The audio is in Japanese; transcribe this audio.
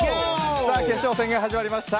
決勝戦が始まりました。